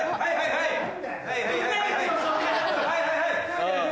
はいはいはいはい。